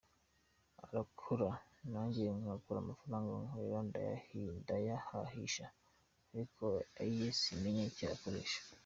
Arakora nanjye ngakora, amafaranga nkorera ndayahahisha, ariko aye simenya icyo ayakoresha.